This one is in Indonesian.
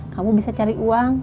kamu bisa cari uang